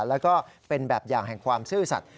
แล้วก็เป็นแบบอย่างแห่งความซื่อสัตว